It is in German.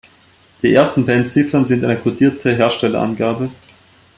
Die ersten beiden Ziffern sind eine kodierte Herstellerangabe.